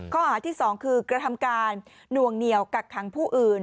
ข้ออาทิตย์สองคือกระทำการนวงเหนียวกักคังผู้อื่น